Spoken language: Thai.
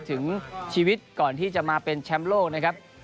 ถึงชีวิตก่อนที่จะมาเป็นแชมป์โลกนะครับ